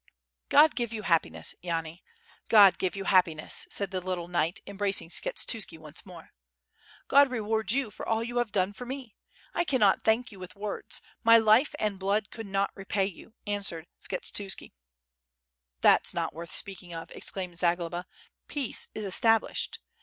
"God give you happiness, Yani, God give you happiness," said the little knight, embracing Skshetuski once more. "God reward you for all you have done for me! I cannot thank you with words. My life and blood could not repay you," answered Skshetuski. "That's not worth speaking of," exclaimed Zagloba. Peace is established!